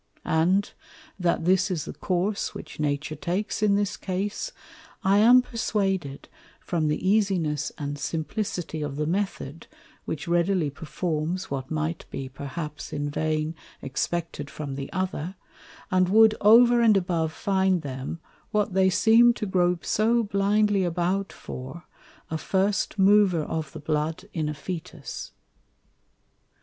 And, that this is the course which Nature takes in this Case, I am perswaded from the easiness and simplicity of the Method, which readily performs what might be perhaps in vain expected from the other, and wou'd over and above find them, what they seem to grope so blindly about for, a first Mover of the Blood in a Fœtus.